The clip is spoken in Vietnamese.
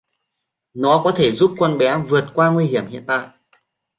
Nó có thể giúp con bé Vượt Qua Nguy hiểm hiện tại